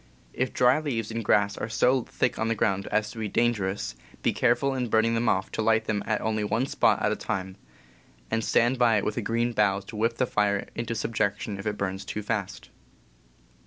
If dry leaves and grass are so thick on the ground as to be dangerous, be careful in burning them off to light them at only one spot at a time, and stand by it with a green bough to whip the fire into subjection if it burns too fast.